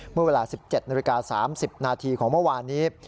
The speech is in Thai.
เมื่อเวลา๑๗น๓๐นของเมื่อวานนี้